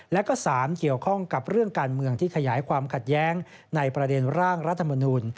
และก็๓เกี่ยวข้องกับเรื่องการเมืองที่ขยายความขัดแย้งในประเด็นร่างรัฐมนูล